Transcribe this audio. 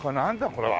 これは。